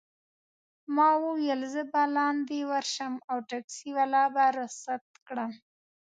ما وویل: زه به لاندي ورشم او ټکسي والا به رخصت کړم.